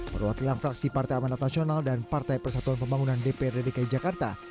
perwakilan fraksi partai amanat nasional dan partai persatuan pembangunan dprd dki jakarta